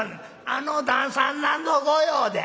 「あの旦さん何の御用で？」。